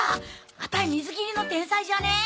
アタイ水切りの天才じゃね？